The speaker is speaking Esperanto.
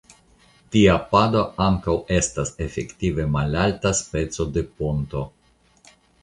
Tia pado ankaŭ estas efektive malalta speco de ponto.